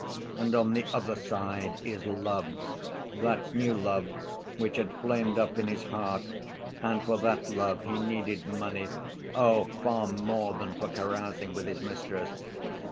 And on the other side is love—that new love which had flamed up in his heart, and for that love he needed money; oh, far more than for carousing with his mistress.